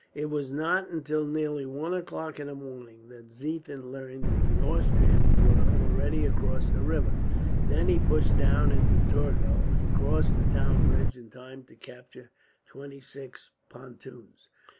It was not until nearly one o'clock in the morning that Ziethen learned that the Austrians were already across the river. Then he pushed down into Torgau, and crossed the town bridge in time to capture twenty six pontoons.